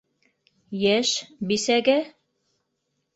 Йәш... бисәгә?